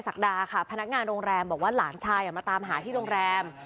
ศักดาค่ะพนักงานโรงแรมบอกว่าหลานชายมาตามหาที่โรงแรม